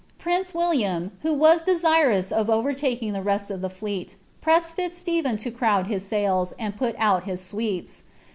e Wiliiaiii. who waa desirous of overtaking the rest of (he'fleet) 1 Pitz Stephen In crowd his sails, and put out hta sweeps.